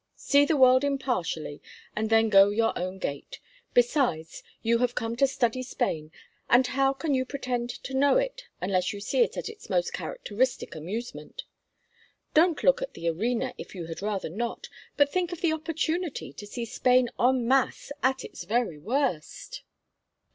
See the world impartially and then go your own gait. Besides, you have come to study Spain, and how can you pretend to know it unless you see it at its most characteristic amusement? Don't look at the arena if you had rather not—but think of the opportunity to see Spain en masse at its very worst!"